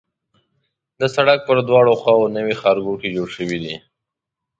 د سړک پر دواړو خواوو نوي ښارګوټي جوړ شوي دي.